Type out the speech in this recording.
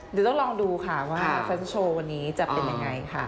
เดี๋ยวต้องลองดูค่ะว่าเฟสโชว์วันนี้จะเป็นยังไงค่ะ